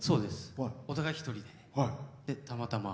お互い一人でたまたま。